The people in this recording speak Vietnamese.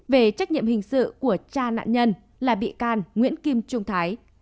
về trách nhiệm hình sự của cha nạn nhân là bị can nguyễn kim trung thái